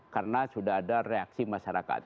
karena sudah ada reaksi masyarakat